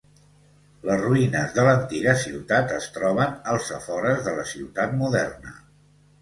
Les ruïnes de l'antiga ciutat es troben als afores de la ciutat moderna.